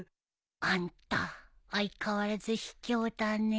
あんた相変わらずひきょうだね。